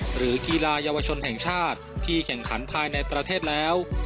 กีฬาเยาวชนแห่งชาติที่แข่งขันภายในประเทศแล้ว